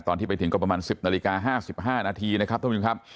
ตอนที่ไปถึงก็ประมาณ๑๐นาฬิกา๕๕นาทีนะครับท่านผู้ชมครับ